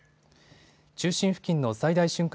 中心付近の最大瞬間